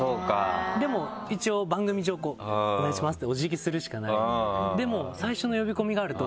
でも一応番組上「お願いします」ってお辞儀するしかないでも。